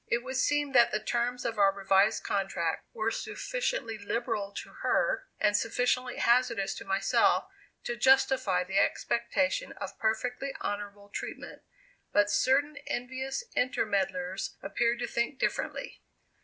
It would seem that the terms of our revised contract were sufficiently liberal to her and sufficiently hazardous to myself, to justify the expectation of perfectly honorable treatment; but certain envious intermeddlers appeared to think differently.